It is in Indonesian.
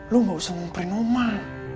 lu gak usah ngumperin emak